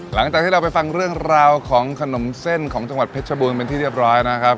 หลังจากที่เราไปฟังเรื่องราวของขนมเส้นของจังหวัดเพชรบูรณเป็นที่เรียบร้อยนะครับ